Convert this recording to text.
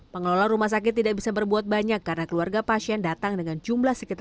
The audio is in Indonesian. pengelola rumah sakit tidak bisa berbuat banyak karena keluarga pasien datang dengan jumlah sekitar